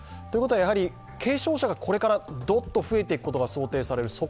ということは、軽症者これからどっど増えていくことが予想される。